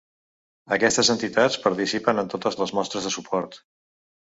Aquestes entitats participen en totes les mostres de suport.